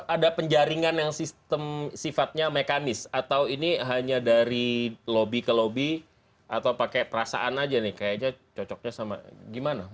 ada penjaringan yang sistem sifatnya mekanis atau ini hanya dari lobby ke lobby atau pakai perasaan aja nih kayaknya cocoknya sama gimana